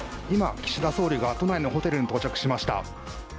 今、岸田総理が都内にホテルに到着しました。